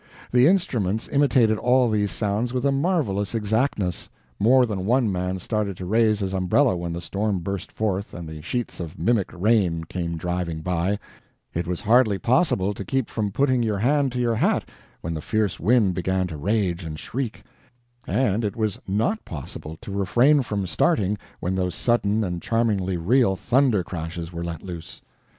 The instruments imitated all these sounds with a marvelous exactness. More than one man started to raise his umbrella when the storm burst forth and the sheets of mimic rain came driving by; it was hardly possible to keep from putting your hand to your hat when the fierce wind began to rage and shriek; and it was NOT possible to refrain from starting when those sudden and charmingly real thunder crashes were let loose.